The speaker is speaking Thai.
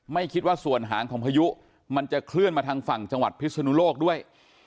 ไม่คิดว่าส่วนหางของพายุมันจะเคลื่อนมาทางฝั่งจังหวัดพิศนุโลกด้วย